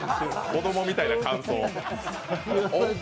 子供みたいな感想。